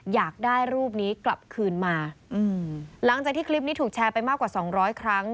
อยากได้รูปนี้กลับคืนมาอืมหลังจากที่คลิปนี้ถูกแชร์ไปมากกว่าสองร้อยครั้ง